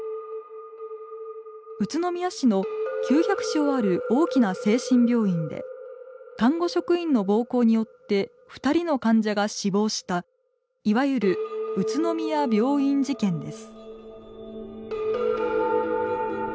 宇都宮市の９００床ある大きな精神病院で看護職員の暴行によって２人の患者が死亡したいわゆる「宇都宮病院事件」です。